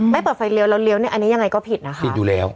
เปิดไฟเลี้ยวแล้วเลี้ยวเนี่ยอันนี้ยังไงก็ผิดนะคะผิดอยู่แล้ว